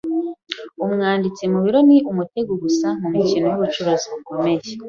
Umwanditsi mu biro ni umutego gusa mumikino yubucuruzi bukomeye.